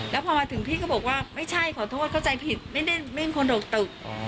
แล้วพอมาถึงพี่ก็บอกว่าไม่ใช่ขอโทษเข้าใจผิดไม่มีคนโดกตึก